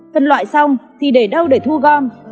phân loại xong thì để đâu để thu con